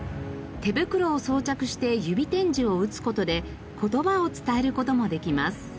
手袋を装着して指点字を打つ事で言葉を伝える事もできます。